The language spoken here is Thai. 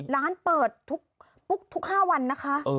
ร้านเปิดทุก๕วันนะคะ